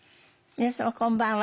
皆様こんばんは。